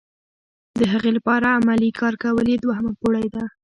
د هغې لپاره عملي کار کول یې دوهمه پوړۍ ده.